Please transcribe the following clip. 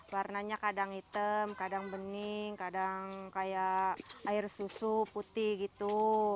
warnanya kadang hitam kadang bening kadang kayak air susu putih gitu